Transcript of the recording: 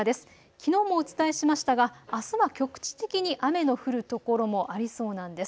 きのうもお伝えしましたがあすは局地的に雨の降る所もありそうなんです。